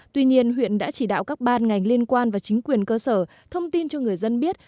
tuy nhiên huyện đã chỉ đạo các ban ngành liên quan và chính quyền cơ sở thông tin cho người dân biết